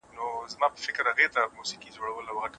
خلک به ستا څخه د خپلو اولادونو د کار غوښتنه کوي.